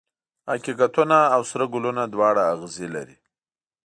حقیقتونه او سره ګلونه دواړه اغزي لري.